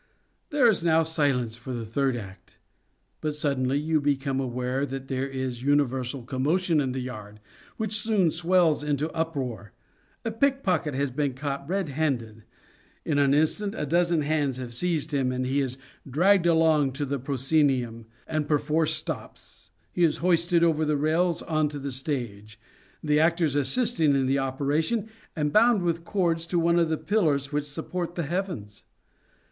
There is now silence for the third act. But suddenly you become aware that there is universal commotion in the yard, which soon swells into uproar. A pickpocket has been caught red handed. In an instant a dozen hands have seized him, and he is dragged along to the proscenium ; the performance stops ; he is hoisted over the rails on to the stage, the actors assisting in the operation, and bound with cords to one of the pillars which support the heavens.